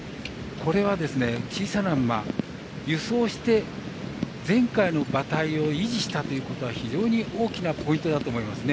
これは小さな馬、輸送して前回の馬体を維持したということは非常に大きなポイントだと思いますね。